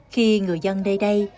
khi người dân đây đây